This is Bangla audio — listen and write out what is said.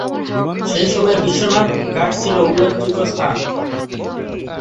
সেই সময়ে বিশ্বনাথ ঘাট ছিল উল্লেখযোগ্য স্থান।